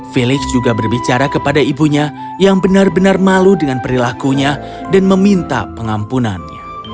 felix juga berbicara kepada ibunya yang benar benar malu dengan perilakunya dan meminta pengampunannya